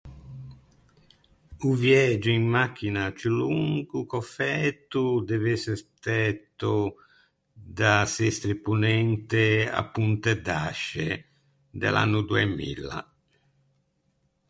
O viægio in machina ciù longo ch'ò fæto o dev'ëse stæto da Sestri Ponente à Pontedasce de l'anno doemilla.